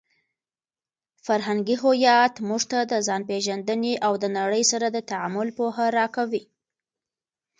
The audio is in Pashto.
فرهنګي هویت موږ ته د ځانپېژندنې او د نړۍ سره د تعامل پوهه راکوي.